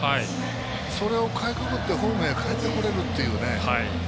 それをかいくぐってホームへかえってこれるっていうね。